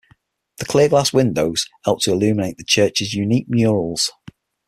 The clear-glass windows help to illuminate the church's unique murals.